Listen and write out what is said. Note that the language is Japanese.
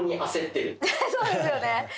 そうですよね。